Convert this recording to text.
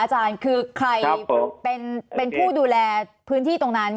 อาจารย์คือใครครับผมเป็นเป็นผู้ดูแลพื้นที่ตรงนั้น